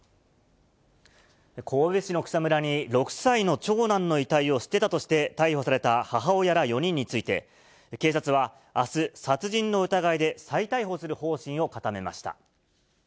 神戸市の草むらに６歳の長男の遺体を捨てたとして逮捕された母親ら４人について、警察はあす、殺人の疑いで再逮捕する方針を固めました。